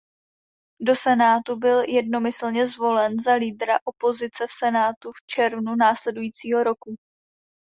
Do senátu byl jednomyslně zvolen za lídra opozice v senátu v červnu následujícího roku.